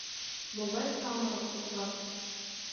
— Могай самырык улат!